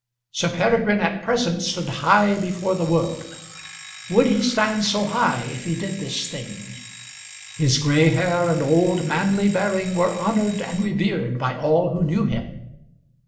Sir Peregrine at present stood high before the world. Would he stand so high if he did this thing? His gray hair and old manly bearing were honoured and revered by all who knew him.